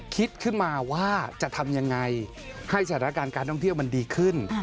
คิดขึ้นมาว่าจะทำยังไงให้สถานการณ์การท่องเที่ยวมันดีขึ้น